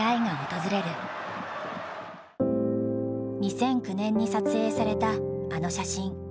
２００９年に撮影されたあの写真。